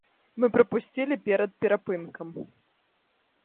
Мы прапусцілі перад перапынкам.